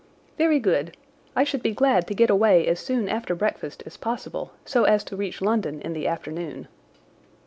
"Very good. I should be glad to get away as soon after breakfast as possible, so as to reach London in the afternoon."